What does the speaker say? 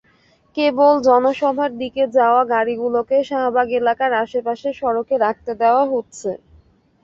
কেবল জনসভার দিকে যাওয়া গাড়িগুলোকে শাহবাগ এলাকার আশপাশের সড়কে রাখতে দেওয়া হচ্ছে।